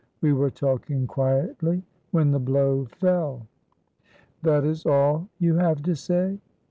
We were talking quietly, when the blow fell." "That is all you have to say?"